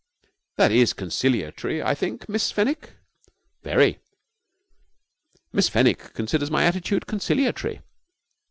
That is conciliatory, I think, Miss Fenwick?' 'Very.' 'Miss Fenwick considers my attitude conciliatory.'